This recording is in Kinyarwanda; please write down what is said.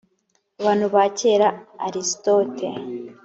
abantu ba kera aristote